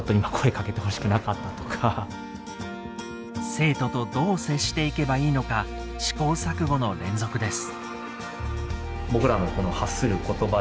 生徒とどう接していけばいいのか試行錯誤の連続です。